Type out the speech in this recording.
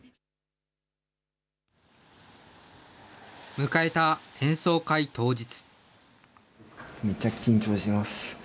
迎えた演奏会当日。